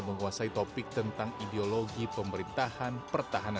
menguasai topik tentang ideologi pemerintahan pertahanan